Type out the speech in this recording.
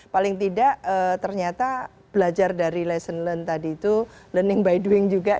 paling tidak ternyata belajar dari lesson learned tadi itu learning by doing juga